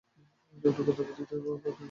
আপনার গন্তব্যের দিকে পথ নির্ধারিত হয়েছে।